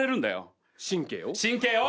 神経を？